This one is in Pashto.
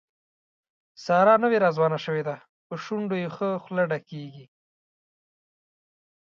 ساره نوې راځوانه شوې ده، په شونډو یې ښه خوله ډکېږي.